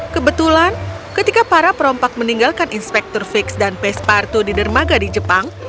kebetulan ketika para perompak meninggalkan inspektur fix dan pespartu di dermaga di jepang